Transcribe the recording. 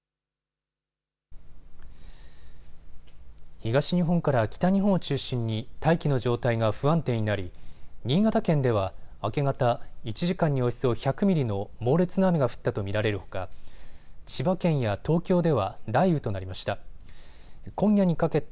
東日本から北日本を中心に大気の状態が不安定になり新潟県では明け方、１時間におよそ１００ミリの猛烈な雨が降ったと見られるほか千葉県や東京では雷雨となりました。